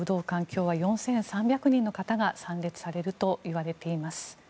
今日は４３００人の方が参列されるといわれています。